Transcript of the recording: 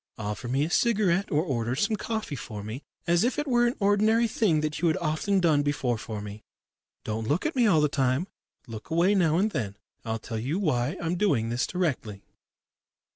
Offer me a cigarette or order some coffee for me, as if it were an ordinary thing that you had often done before for me. Don't look at me all the time look away now and then. I'll tell you why I'm doing this directly."